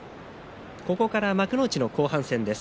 ここから幕内の後半戦です。